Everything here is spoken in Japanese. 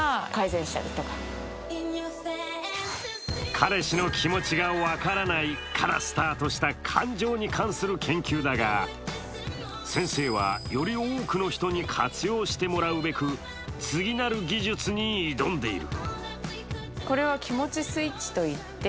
彼氏の気持ちが分からないからスタートした感情に関する研究だが、先生は、より多くの人に活用してもらうべく次なる技術に挑んでいる。